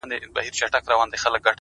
څلوېښتم کال دی ـ